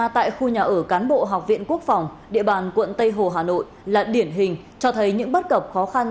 tại khu nhà ở cán bộ học viện quốc phòng địa bàn quận tây hồ hà nội là điển hình cho thấy những bất cập khó khăn